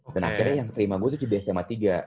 dan akhirnya yang kelima gue tuh jadi sma tiga